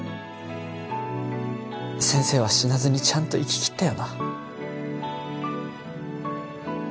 先生は死なずにちゃんと生ききったよな